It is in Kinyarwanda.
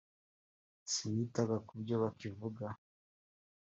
sinitaga k’uburyo bakivuga